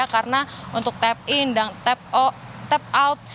karena untuk tap in dan tap out